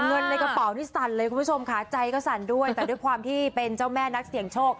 เงินในกระเป๋านี่สั่นเลยคุณผู้ชมค่ะใจก็สั่นด้วยแต่ด้วยความที่เป็นเจ้าแม่นักเสี่ยงโชค